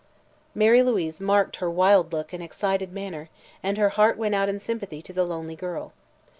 Mary Louise marked her wild look and excited manner and her heart went out in sympathy to the lonely girl.